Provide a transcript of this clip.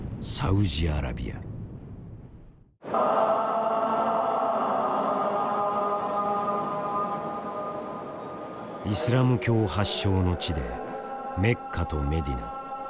イスラム教発祥の地でメッカとメディナ２つの聖地がある。